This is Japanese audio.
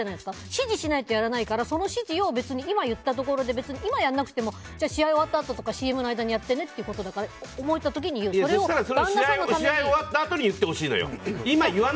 指示しないとやらないからその指示を別に今言ったところで今やらなくても試合終わったあととかＣＭの間にやってねってことだからそしたら、それは試合終わったあとに言ってほしいの。